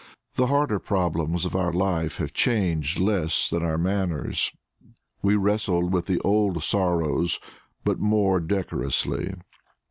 The harder problems of our life have changed less than our manners; we wrestle with the old sorrows, but more decorously.